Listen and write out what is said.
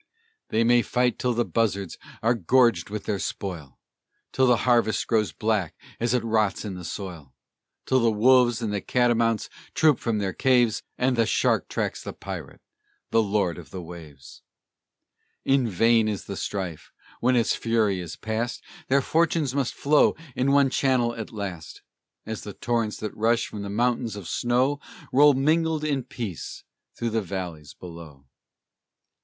They may fight till the buzzards are gorged with their spoil, Till the harvest grows black as it rots in the soil, Till the wolves and the catamounts troop from their caves, And the shark tracks the pirate, the lord of the waves: In vain is the strife! When its fury is past, Their fortunes must flow in one channel at last, As the torrents that rush from the mountains of snow Roll mingled in peace through the valleys below.